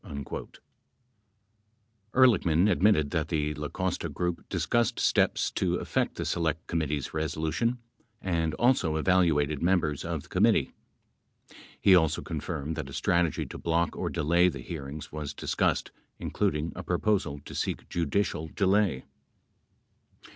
17 Ehrlichman admitted that the La Costa group discussed steps to affect the Select Committee's resolution and also evaluated members of the committee. 18 He also confirmed that a strategy to block or delay the hearings was discussed, including a proposal to seek judicial delay.